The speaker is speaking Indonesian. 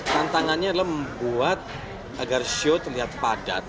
tantangannya adalah membuat agar show terlihat padat